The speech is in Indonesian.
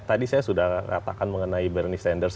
tadi saya sudah katakan mengenai bernie sanders